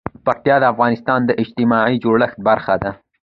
پکتیکا د افغانستان د اجتماعي جوړښت برخه ده.